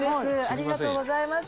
ありがとうございます。